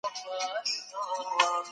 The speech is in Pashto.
خلګ د خامک جامې په کومو مراسمو کي اغوندي؟